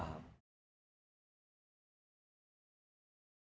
kalau gak ketemu nanti salah paham